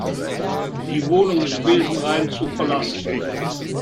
Die Wohnung ist besenrein zu verlassen.